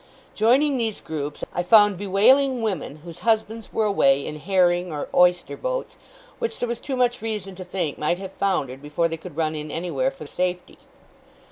Joining these groups, I found bewailing women whose husbands were away in herring or oyster boats, which there was too much reason to think might have foundered before they could run in anywhere for safety.